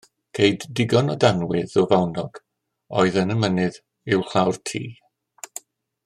Ceid digon o danwydd o fawnog oedd yn y mynydd uwchlaw'r tŷ